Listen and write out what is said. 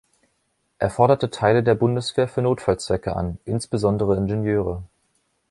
Er forderte Teile der Bundeswehr für Notfallzwecke an, insbesondere Ingenieure.